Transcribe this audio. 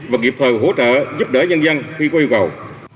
và kịp thời hỗ trợ giúp đỡ nhân dân khi có yêu cầu